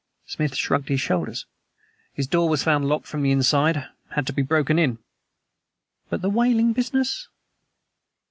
Smith shrugged his shoulders. "His door was found locked from the inside; had to be broken in." "But the wailing business?"